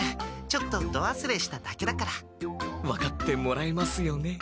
ちょっとドわすれしただけだから。分かってもらえますよね？